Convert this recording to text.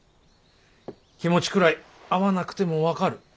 気持ちくらい会わなくても分かる。